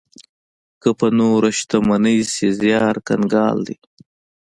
که په نوره شتمنۍ شي، زيار کنګال دی.